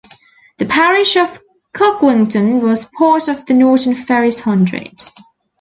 The parish of Cucklington was part of the Norton Ferris Hundred.